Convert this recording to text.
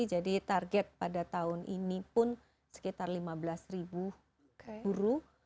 jadi target pada tahun ini pun sekitar lima belas ribu guru